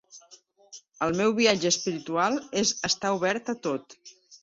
El meu viatge espiritual és estar obert a tot.